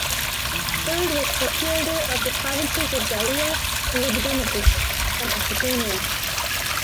Third was procurator of the provinces of Gallia Lugdunensis and Aquitania.